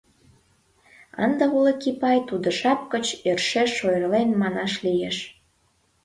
Ынде Олык Ипай тудо жап гыч йӧршеш ойырлен, манаш лиеш.